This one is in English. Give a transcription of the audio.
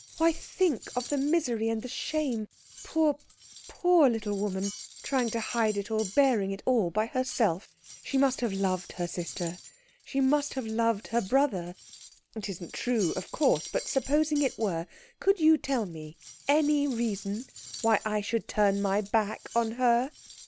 Why, think of the misery and the shame poor, poor little woman trying to hide it all, bearing it all by herself she must have loved her sister, she must have loved her brother. It isn't true, of course, but supposing it were, could you tell me any reason why I should turn my back on her?"